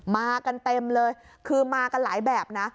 มากันเต็มเลยคือมากันหลายแบบนะ